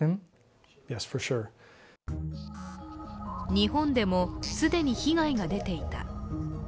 日本でも既に被害が出ていた。